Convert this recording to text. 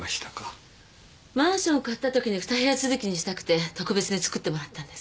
マンションを買ったときに二部屋続きにしたくて特別に作ってもらったんです。